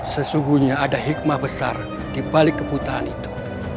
sesungguhnya ada hikmah besar di balik kebutaan itu